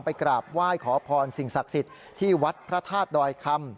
กราบไหว้ขอพรสิ่งศักดิ์สิทธิ์ที่วัดพระธาตุดอยคำ